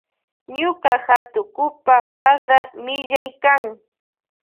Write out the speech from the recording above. Ñuka hatukupa wakra millaykan.